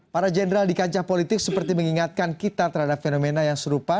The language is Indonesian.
para jenderal di kancah politik seperti mengingatkan kita terhadap fenomena yang serupa